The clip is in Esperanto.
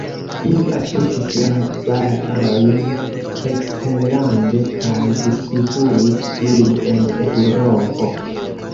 Ili aĉetis la varojn eksterlande kaj distribuis ilin en Eŭropo.